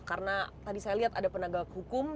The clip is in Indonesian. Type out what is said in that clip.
karena tadi saya lihat ada penagak hukum